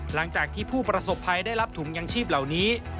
หลังจากที่ผู้ประสบภัยได้รับถุงยังชีพเหล่านี้